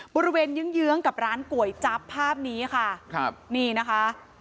บริเวณเยื้องเยื้องกับร้านก๋วยจับภาพนี้ค่ะครับนี่นะคะ